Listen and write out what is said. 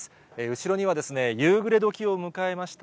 後ろには夕暮れ時を迎えました